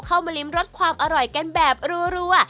มาริมรสความอร่อยกันแบบรัว